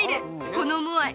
このモアイ